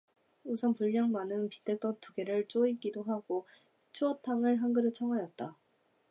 우선 분량 많은 빈대떡 두 개를 쪼이기도 하고 추어탕을 한 그릇 청하였다.